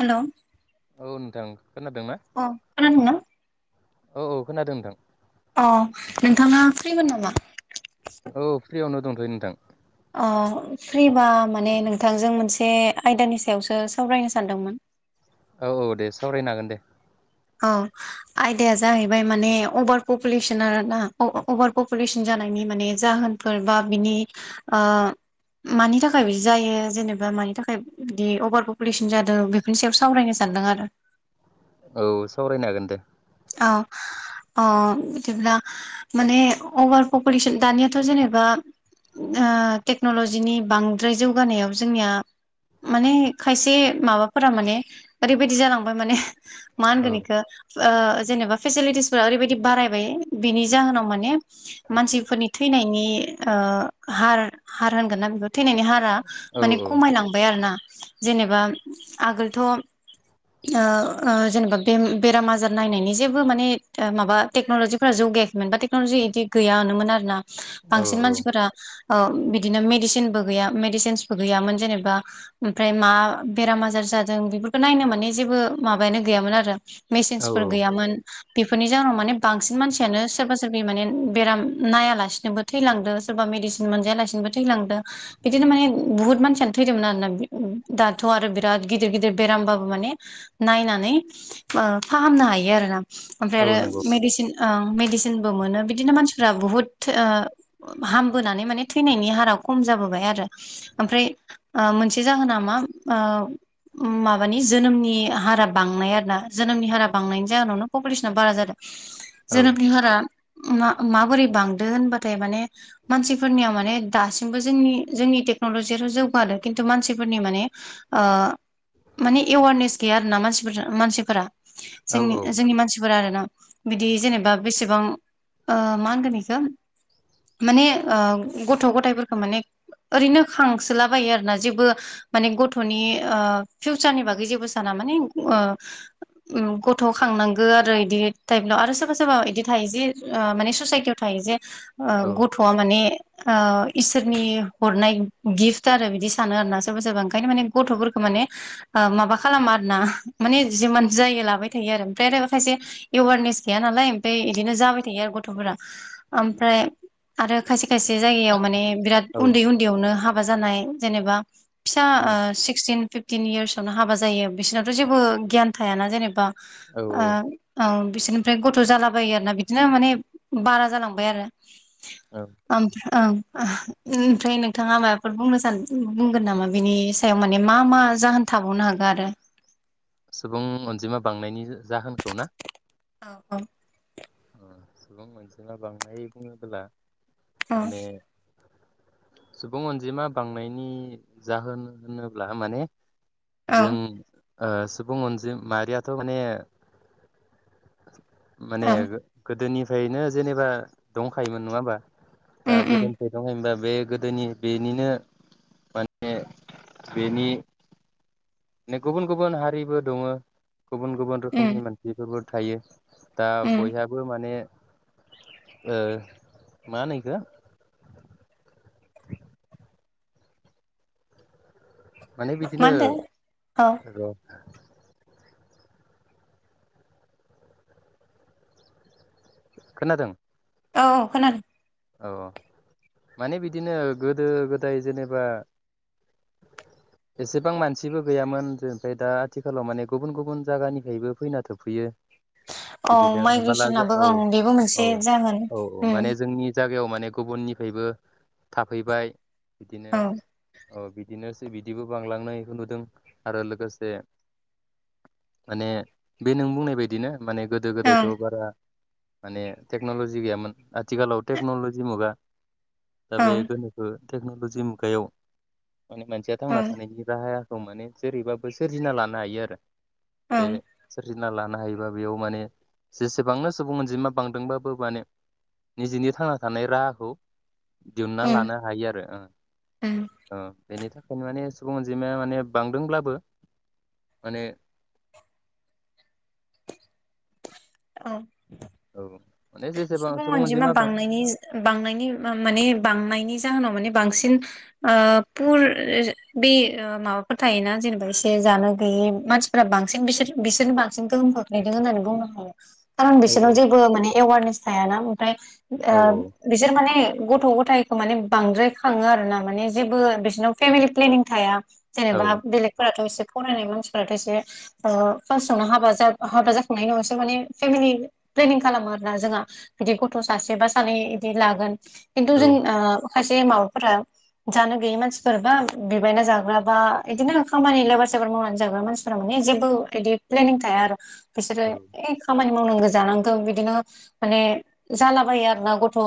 हेल' औ नोंथां खोनादोंना? खोनादोंना? औ औ खोनादों नोंथां। अ नोंथाङा फ्रिमोन नामा? औ फ्रियावनो दं। [unintelligible] नोंथां अ फ्रिबा माने नोंथांजों मोनसे आयदानि सायावसो सावरायनो सानदोंमोन औ औ दे सावरायनो हागोन दे औ आयदाया जाहैबाय माने अभार पपुलेसन आरोना अभार पपुलेसन जानायनि माने जाहोनफोर बा बिनि मानि थाखाय बिदि जायो जेनेबा मानि थाखाय बिदि अभार पपुलेसन जादों बेफोरनि सायाव सावरायनो सानदों आरो औ सावरायनो हागोन दे औ औ बिदिब्ला माने अभार पपुलेसन दानियाथ' जेनेबा टेक्न'लजिनि बांद्राय जौगानायाव जोंनिया माने खायसे माबाफोरा माने ओरैबायदि जालांबाय माने मा औ होनगोन योखो ओ जेनेबा फेसिलिटिसफोरा ओरैबायदि बारायबाय बिनि जाहोनाव माने मानसिफोरनि थैनाय थैनायनि हार हार होनगोना बिखो थैनायनि हारा औ माने खमायलांबाय आरो ना जेनेबा आगोलथ' जेनेबा बेराम आजार नायनायनि [unintelligible] औ बांसिन औ मानसिफोरा बिदिनो मेडिसिनबो गैया मेडिसिनसबो गैयामोन जेनेबा ओमफ्राय मा बेराम आजार जादों बेफोरखौ नायनो माने जेबो माबायानो गैयामोन आरो औ मेसिनसफोर गैयामोन बेफोरनि जाहोनाव माने बांसिन मानसियानो सोरबा सोरबि माने बेराम नायालासिनोबो थैलांदो सोरबा मेडिसिन मोनजायालासिनोबो थैलांदो बिदिनो माने बुहुत मानसियानो थैदोंमोन आरोना दाथ' आरो बिराद गिदिर गिदिर बेरामबाबो माने नायनानै फाहामनो हायो आरो ना ओमफ्राय औ आरो नंगौ मेडिसिन ओ मेडिसिनबो मोनो बिदिनो मानसिफ्रा बुहुत हामबोनानै माने थैनायनि हारा खम जाबोबाय आरो ओमफ्राय मोनसे जाहोना मा माबानि जोनोमनि हारा बांनाय आरो ना जोनोमनि हारा बांनायनि जाहोनावनो पपुलेसना बारा जादों औ जोनोमनि हरा म माबोरै बांदो होनबाथाय माने मानसिफोरनिया माने दासिमबो जोंनि जोंनि टेक्न'लजियाथ' जौगादों खिन्थु मानसिफोरनि माने माने एवारनेस गैया आरोना मानसिफोर मानसिफोरा औ जोंनि औ जोंनि मानसिफोरा आरो ना बिदि जेनेबा बेसेबां मा होनगोन बेखौ मान गथ' गथाइफोरखौ माने ओरैनो खांसोलाबायो आरोना जेबो माने गथ'नि फिउचारनि बागै जेबो साना माने गथ' खांनांगो आरो बिदि टाइपल' आरो सोरबा सोरबा बिदि थायो जे माने ससाइटियाव थायो जे औ गथ'आ माने ओ इसोरनि हरनाय गिफ्ट आरो बिदि सानो आरो ना सोरबा सोरबा ओंखायनो माने गथ'फोरखौ माने ओ माबा खालामा आरो ना माने जिमान जायो लाबाय थायो आरो ओमफ्राइ आरो खायसे एवारनेस गैया नालाय ओमफ्राय इदिनो जाबाय थायो आरो गथ'फोरा ओमफ्राय आरो खायसे खायसे जायगायाव माने बिराद औ उन्दै उन्दैयावनो हाब हाबा जानाय जेनेबा फिसा उम ओ सिक्सटिन फिप टिन इयार्सआवनो हाबा जायो बिसोरहाथ' जेबो गियान थायाना जेनेबा औ आ औ बिसोरनिफ्राय गथ' जालाबायो आरोना बिदिनो माने बारा जालांबाय आरो औ [unintelligible] ओं ओह इनफाय नोंथाङा मायबाफोर बुंनो सान उम बुंगोन नामा बिनि सायाव माने मा मा जाहोन थाबावनो हागो आरो सुबुं अनजिमा बांनायनि जाहोनखौ ना औ औ ओ सुबुं अनजिमा बांनाय बुंङोबोला औ माने सुबुं अनजिमा बांनायनि जाहोन होनोब्ला माने औ जों ओ सुबुं अनजि माहारियाथ' माने माने औ गो गोदोनिफ्रायनो जेनेबा दंखायोमोन नङा होमबा दा उम उम गोदोनिफाय दंखायो हनब्ला बे गोदोनि बेनिनो माने बेनिनो गुबुन गुबुन हारिबो दङो। गुबुन गुबुन उम रोखोमनि मानसिफोरबो थायो दा उम बयहा माने ओ माहोनो इखौ [unintelligible] माने मा बिदिनो होनदों औ र' खोनादों औ खोनादों औ माने बिदिनो गोदो-गोदाय जेनेबा एसेबां मानसिबो गैयामोन जे बे दा आथिखालाव माने गुबुन गुबुन जागानिफ्रायबो फैना थोफैयो। औ माइग्रेसनाबो ओं बेबो मोनसे जागोन उम जागायाव माने गुबुननिफायबो थाफैबाय बिदिनो ओं अ बिदिनोसै बिदिबो बांलांनायबो नुदों आरो लोगोसे माने बे नों बुंनाय बायदिनो माने गोदो ओं गोदायथ' बारा माने टेक्न'लजि गैयामोन आथिखालाव टेक्नलजि मुगा ओ बे ओं गोनोखो टेक्न'लजि मुगायाव माने मानसिया थांना ओं थानायनि राहाया द माने जेरैबाबो सोरजिना लानो हायो आरो बे ओं ना लानो हायोबा बेयाव माने जेसेबांनो सुबुं अनजिमा बांदोंबाबो माने निजेनि थांना थानाय राहाखौ दिहुनना ओं लानो हायो आरो ओ ओं ओ बेनि थाखायनो माने सुबुं अनजिमाया माने बांदोंब्लाबो माने औ औ माने जेसेबां सुबुं अनजिमा बां बांनायनि बांनायनि माने बांनायनि जाहोनाव माने बांसिन ओ पुर बे माबाफोर थायोना जेनेबा एसे जानो गैयै मानसिफोरा बांसिन बिसोर बिसोरनो बांसिन गोहोम खोख्लैदों होननानै बुंनो हायो। खारन औ बिसोरनाव जेबो माने एवारनेस थायाना फ्राय ओ औ बिसोर माने गथ' गथायखौ माने बांद्राय खाङो आरो ना माने जेबो बिसिोरनाव फेमिलि प्लेनिं थाया औ जेनेबा बेलेगफोराथ' फरायनाय मानसिफोराथ' एसे ओ फार्स्टआवनो हाबा हाबा जाखांनायनि उनावसो माने फेमिलि प्लेनिं खालामो आर ना जोंहा बिदि गथ' सासे बा सानै बिदि लागोन खिनथु औ जों ओ खायसे माबाफोरा जानो गैयै मानसिफोर बा बिबायना जाग्रा बा बिदिनो खामानि लेबार सेबार मावनानै जाग्रा मानसिफोरा माने जेबो बिदि प्लेनिं थाया आरो। बिसोरो औ ए खामानि मावनांगौ जानांगौ बिदिनो माने जालाबायो आरो ना गथ'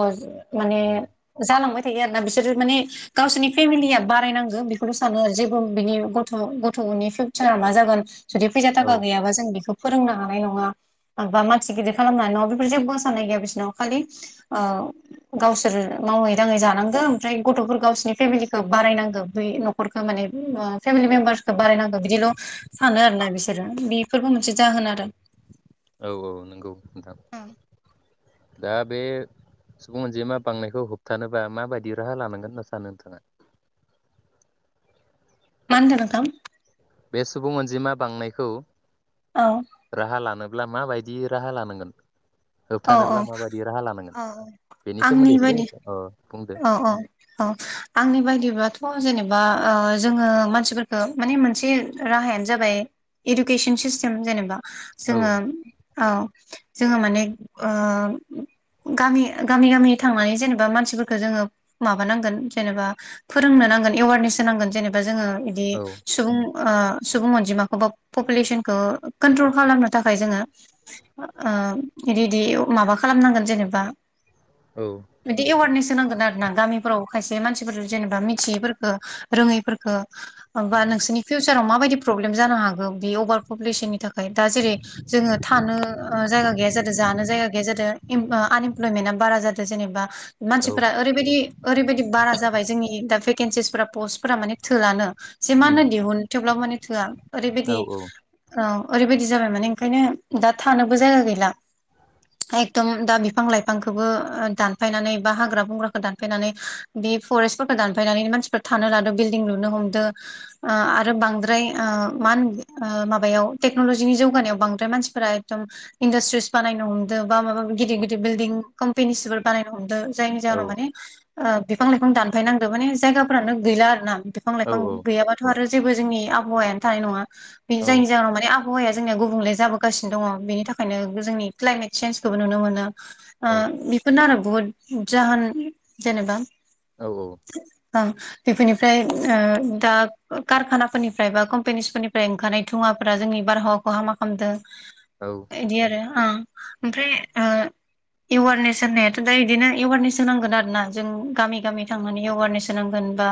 माने उम जालांबाय थायो आरोना बिसोरो माने गावसोरनि फेमिलिया बारायनांगौ बेखौनो' सानो आरो जेबो बिनि गथ' गथ'नि फिउचारा मा जागोन जुदि फैसा औ थाखा गैयाबा जों बेखौ फोरोंनो हानाय नङा बा मानसि गिदिर खालाम हानाय नङा बेफोर जेबो साननाय गैया बिसोरनाव खालि ओ गावसोरो मावै दाङै जानांगो ओमफ्राय गथ'फोर गावसिनि फेमिलिखौ बारायनांगौ बे न'खरखौ माने फेमिलि मेम्बार्खौ बारायनांगौ बिदिल' सानो आरोोना बिसोरो बेफोरबो मोनसे जाहोन आरो। औ औ नंगौ नोंथां दा बे सुबुं अनजिमा बांनायखौ होबथानोबा माबायदि राहा लानांगोन होनना सानो नोंथाङा? मा होनदों नों थां? बे सुबुं अनजिमा बांनायखौ औ राहा लानो ब्ला माबायदि राहा लानांगोन? औ होबथानोब्ला माबायदि राहा लानांगोन औ बेनि आंनि सोमोन्दै बायदि एसे ओ औ औ औ आंनि बायदिब्लाथ' जेने बा ओ जोङो मानसिफोरखो माने मोनसे राहायानो जाबाय इडुकेसोन सिस्टेम जेनेबा औ जोङो औ। जोङो माने ओ गामि गामि गामि थांनानै जेनेबा मानसिफोर जोङो माबा नांगोन जेनेबा फोरोंनो नांगोन एवारनेस होनांगोन जेनेबा जोङो बिदि औ सुबुं ओ सबुं अन्जिमाखौ बा पपुलेसनखौ कोन्ट्रल खालामनो थाखाय जोङो ओ इदिदि माबा खालामनांगोन जेनेबा औ बिदि एवारनेस गोन आरो ना गामिफोराव खायसे मानसिफोर जेनेबा मिथियैफोरखो रोंङैफोरखो बा नोंसोरनि फिउचाराव माबायदि प्रब्लेम जानो हागौ बे अभार पपुलेसननि थाखाय दा जेरै जोंङो थानो ओ जायगा गैया जादों जानो जायगा गैया जादो इम ओ आनइमप्लयमेन्टा बारा जादों जेनेबा मानसि औ फोरा ओरैबायदि ओरैबायदि बारा जाबाय जोंनि दा फै केनसेसफोरा पस्टफोरा माने थोलानो। जे मा होनो उम दिहुन थेवब्लाबो माने थोआ औ ओरैबायदि ओ ओरैबायादि जाबाय माने ओंखायनो दा थानोबो जायगा गैला एकदम दा बिफां लाइफांखोबो ओ दानफायनानै बा हाग्रा बंग्राखो दानफायनानै बे फरेसफोरखो दानफायनानै मानसिफ्रा थानो लादो बिल्दिं लुनो हमदो, आ आरो बांद्राय आ मान आ‌ माबायाव टेक्नलजिनि जौगानायाव बांद्राय मानसिफोरा एकदम इन्दासट्रिस बानायनो हमदो बा माबा माबि‌ गिदिर गिदिर बिलदिं कोम्पेनिसफोर बानायनो हमदो औ जाहोनाव माने ओ बिफां लाइफां दानफायनांदो माने जायाफोरानो गैला आरो ना। बिफां औ लाइफां औ गैयाबाथ' आरो जेबो जोंनि आबहावायानो थानाय नंङा बे जायनि औ जाहोनाव माने आ बहावाया जोंनिया गुबुंले जाबोगासिनो दंङ, बेनि थाखायनो जोंनि क्लाइमेट चेन्जखौबो नुनो मोनो। आ औ बिफोरनो आरो बुहुद उम जाहोन जेनेबा औ औ बां बेफोरनिफ्राय ओ दा कारखाना फोरनिफ्राय बा कम्पेनिसफोरनिफ्राय ओंखारनाय धुवाफोरा जोंनि बारहावाखौ हामा खामदों। औ इदि आरो ओ ओमफ्राय ओ इवारनेस होननायाथ' दा इदिनो एवारनेस होनांगोन आरो ना जों गामि गामि थांनानै एवारनेस होनांगोन बा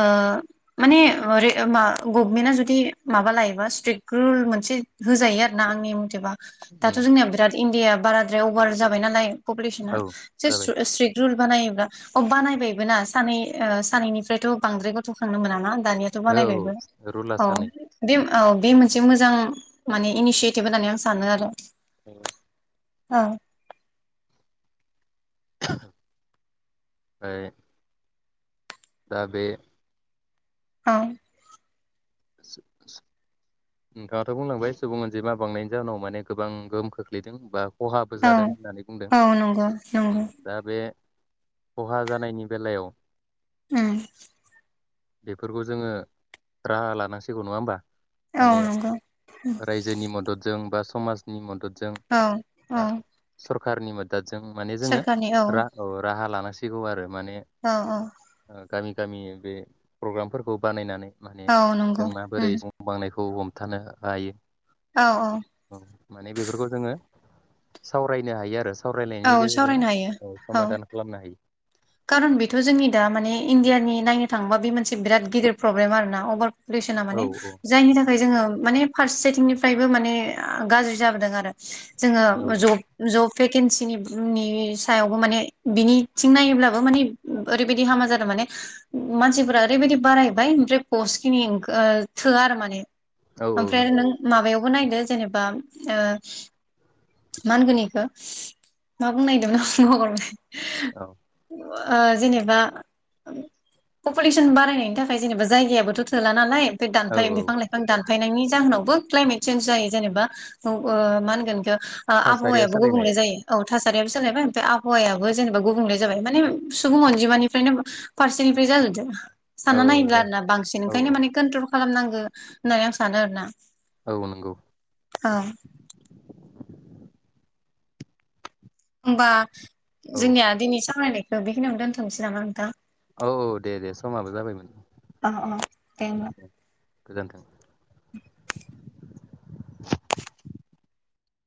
ओ माने ओ रे मा गभमेन्टआ जुदि माबा लायोबा स्ट्रिक रुल मोनसे होजायो आरो ना आंनि मथेबा। दाथ' उम जोंनिया बिराद इण्डिया बाराद्राय अभार जाबाय नालाय फफुलेसुना औ जे जाबाय सुद स्ट्रिक रुल बानायोब्ला अ बानायबायबो ना सानै ओ सानैनिफ्रायथ' बांद्राय गथ'खांनो मोनाना दानियाथ' औ बानायबायबो रुला औ सानै बिउ औ बे मोनसे मोजां माने इनिसियेटिभ होननानै आं सानो आरो। [inaudible] औ फाय दा बे औ नोंथाङाथ' बुंलांबाय सुबुं अनजिमा बांनायनि जाहोनाव माने गोबां गोहोम खोख्लैदों बा खहाबो औ जादों होननानै बुंदों औ नंगौ ओम नंगौ दा बे खहा जानायनि बेलायाव ओम बेफोरखौ जोङो राहा ला नांसिगौ नङा होनबा? औ माने नंगौ रायजोनि मददजों बा समाजनि मदद जों औ औ आ सर खारनि मोदै दादजों माने जोङो सोरखारनि औ रां राहा लान सिगौ आरो। माने औ औ ओ। गामि गामि बे प्रग्रामफोरखौ बानायनानै माने औ नंगौ जोंना बोरै उम [unintelligible] बांनायखौ। खौ हमथानो हायो। औ माने बेफोरखौ जोङो सावरायनो हायो आरो। औ सावरायनायनि गेजेरजों सावरायनो हायो औ समादान खालामनो हायो। खारन बेथ' जोंनि दा माने इण्डियानि नायनो थाङोबा बे मोनसे बिराद गिदिर प्रब्लेम आर ना अभार पलिउसना औ माने जायनि थाखाय जोङो माने फारसेथिंनिफ्रायबो माने गाज्रि जाबोदों आरो। जोङो औ जब जब। भेकेन्सिनिनि सायावबो माने बिनिथिं नायोब्ला। बो माने ओरैबायदि हामा जादों माने मानसिफोरा ओरैबायदि बारायबाय ओमफ्राय पस्ट खिनि थोआ आरो माने। औ औ ओमफ्राय आरो नंगौ नों माबायाव नायदो जेनेबा मानगोनिखौ मा बुं नायददोंमोन हगरबाय। औ। जेनेबा पपुलेसन बारायनायनि थाखाय जेनेबा जायगायाबोथ' थोला नालाय। बे औ दानफां औ बिफां लाइफां दान। खाखायनायनि जाहोनावबो क्लाइमेट चेन्ज जायो जेनेबा मा होनगोन। थासारिया आबहावायाबो सोलायनाय गुबुंले जायो औ। थासारियाबोोलायबाय म आहावायाबो जेनेबा गुबुंल जाबाय। मान सुबुं अनजिमानिफ्रायनो फारसेनिफ्राय जाजोबदो। औ सानना औ नायिरला जाय आरो ना बांसिन औ ओंखायनो औ मानेट्रल खालामनांगो होननानै आं सानो आरोना। औ नंगौ। औ होमबा औ जोंनिया दिनै सावरायनाय बेखिनियावनो दोनथ'सै नामा नोंथां? औ औ दे दे समाबो जाबायमोन। अ दे होमबा गोजोन्थों। [inaudible] [inaudible]